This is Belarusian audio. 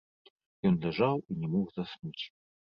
Ён ляжаў і не мог заснуць.